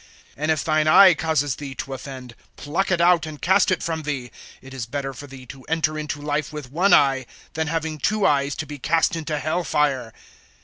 (9)And if thine eye causes thee to offend, pluck it out and cast it from thee. It is better for thee to enter into life with one eye, than having two eyes to be cast into hell fire.